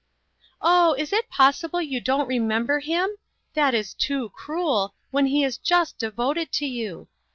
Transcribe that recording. " Oh, is it possible you don't remember him? That is too cruel, when he is just devoted to you